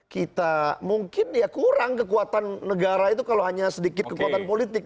kita mungkin ya kurang kekuatan negara itu kalau hanya sedikit kekuatan politik